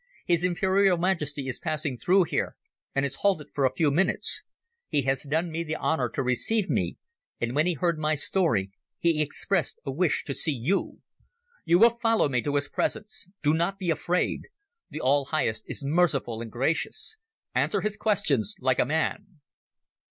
His Imperial Majesty is passing through here, and has halted for a few minutes. He has done me the honour to receive me, and when he heard my story he expressed a wish to see you. You will follow me to his presence. Do not be afraid. The All Highest is merciful and gracious. Answer his questions like a man."